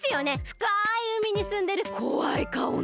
ふかいうみにすんでるこわいかおの！